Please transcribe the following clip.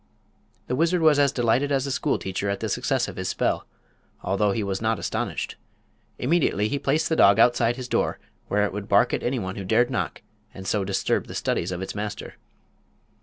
The wizard was as delighted as a school teacher at the success of his spell, although he was not astonished. Immediately he placed the dog outside his door, where it would bark at anyone who dared knock and so disturb the studies of its master.